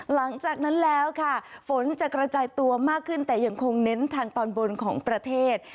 หลังจากนั้นแล้วค่ะฝนจะกระจายตัวมากขึ้นแต่ยังคงเน้นทางตอนบนของประเทศ